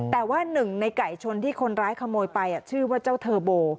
แต่ว่าหนึ่งในไก่ชนที่คนร้ายขโมยไปชื่อว่าเจ้าเทอร์โบ